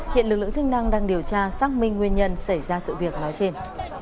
hiện lực lượng chức năng đang điều tra xác minh nguyên nhân xảy ra sự việc ở đó trên